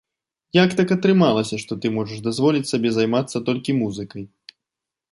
Як так атрымалася, што ты можаш дазволіць сабе займацца толькі музыкай?